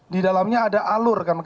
di dalamnya ada alur